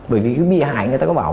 bởi vì cái bị hại người ta có bảo